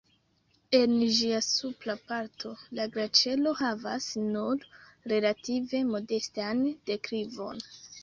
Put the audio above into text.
En ĝia supra parto la glaĉero havas nur relative modestan deklivon.